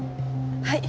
はい。